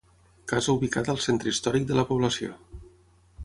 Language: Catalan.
Casa ubicada al centre històric de la població.